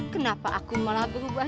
kenapa aku malah berubah